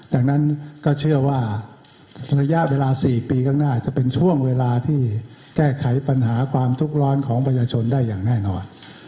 ดังนั้นก็เชื่อว่าในระยะเวลา๔ปีข้างหน้าจะเป็นช่วงเวลาที่แก้ไขปัญหาความทุกข์ร้อนของประชาชนได้อย่างแน่นอน